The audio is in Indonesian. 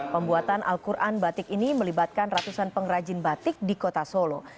pembuatan al quran batik ini melibatkan ratusan pengrajin batik di kota solo